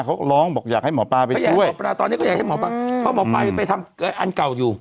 เขาร้องบอกอยากให้หมอปลาไปช่วยตอนนี้ก็อยากให้หมอปลาเพราะหมอปลาไปทำอันเก่าอยู่